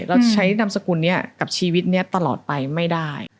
เราใช้นามสกุลนี้กับชีวิตนี้ตลอดไปไม่ได้